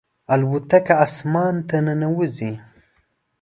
الوتکه اسمان ته ننوځي.